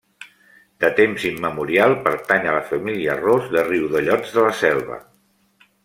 De temps immemorial, pertany a la família Ros de Riudellots de la Selva.